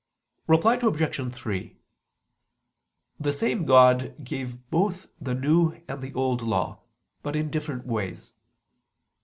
Reply Obj. 3: The same God gave both the New and the Old Law, but in different ways.